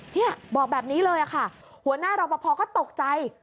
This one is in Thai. เนี่ยบอกแบบนี้เลยค่ะหัวหน้ารอปภก็ตกใจ